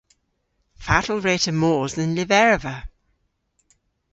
Fatel wre'ta mos dhe'n lyverva?